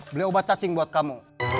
beli obat cacing buat kamu